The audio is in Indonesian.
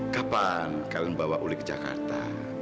kapan kalian bawa uli ke jakarta